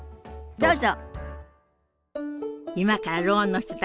どうぞ。